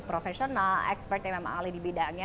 profesional expert yang memang ahli di bidangnya